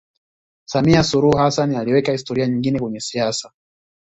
samia suluhu hassan aliweka historia nyingine kwenye siasa